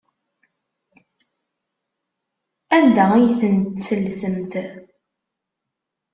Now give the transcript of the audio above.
Anda ay tent-tellsemt?